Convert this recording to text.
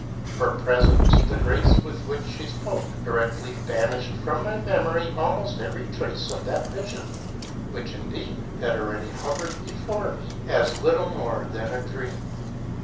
Her presence, the grace with which she spoke, directly banished from my memory almost every trace of that vision, which, indeed, had already hov ered before me as little more than a dream.